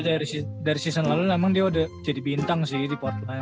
tapi dari season lalu emang dia udah jadi bintang sih di porto kan